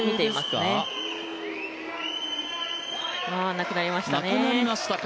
なくなりましたね。